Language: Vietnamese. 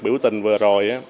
biểu tình vừa rồi